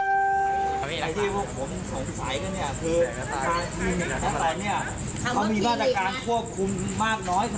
ตัวว่าไว้ไม่ได้